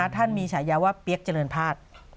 ท่านมีฉายาวว่าเปี๊ยกเจริญพาส